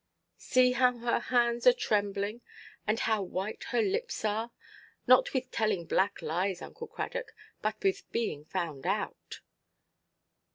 "See how her hands are trembling, and how white her lips are; not with telling black lies, Uncle Cradock, but with being found out."